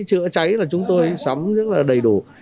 chữa cháy là chúng tôi sắm rất là đầy đủ